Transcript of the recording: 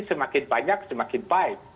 semakin banyak semakin baik